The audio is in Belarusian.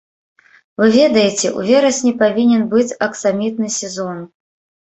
Вы ведаеце, у верасні павінен быць аксамітны сезон.